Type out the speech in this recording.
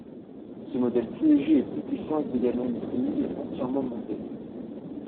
Ce modèle plus léger et plus puissant est également disponible entièrement monté.